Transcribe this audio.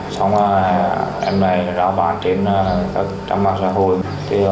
xong rồi em lại rao bán trên các trang mạng xã hội